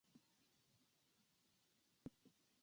餃子特講で食べた餃子の味が恋しい。